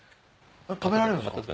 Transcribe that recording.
食べられるんですか？